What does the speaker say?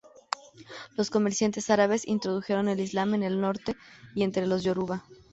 Los comerciantes árabes introdujeron el islam en el norte y entre los yoruba.